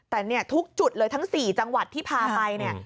แต่ทุกจุดเลยทั้ง๔จังหวัดที่พาไป